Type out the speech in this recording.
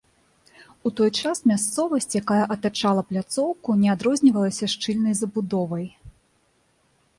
У той час мясцовасць, якая атачала пляцоўку, не адрознівалася шчыльнай забудовай.